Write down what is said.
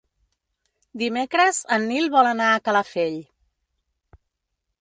Dimecres en Nil vol anar a Calafell.